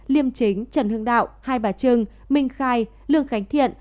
liêm chính trần hưng đạo hai bà trưng minh khai lương khánh thiện